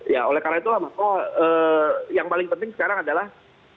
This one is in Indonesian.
ya oleh karena itulah maka yang paling penting sekarang adalah